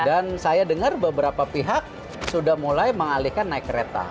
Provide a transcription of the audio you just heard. saya dengar beberapa pihak sudah mulai mengalihkan naik kereta